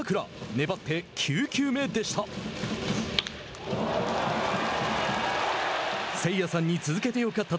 粘って９球目でした。